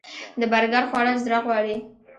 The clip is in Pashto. د برګر خوړل زړه غواړي